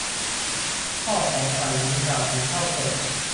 พ่อขอฝ่ายหญิงกล่าวกับเถ้าแก่